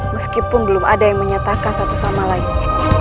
meskipun belum ada yang menyatakan satu sama lain